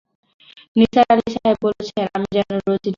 নিসার আলি সাহেব বলেছেন, আমি যেন রোজ লিখি।